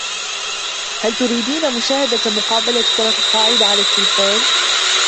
هل تريدين مشاهدة مقابلة كرة القاعدة على التلفاز؟